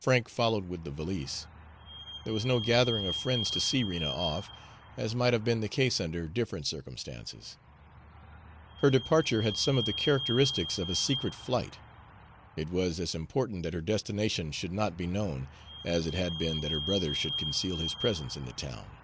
Frank followed with the valise. There was no gathering of friends to see Rena off, as might have been the case under different circumstances. Her departure had some of the characteristics of a secret flight; it was as important that her destination should not be known, as it had been that her brother should conceal his presence in the town.